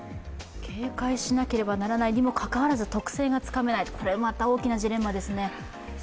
警戒しなければならないにもかかわらず特性がつかめないこれまた大きなジレンマですね。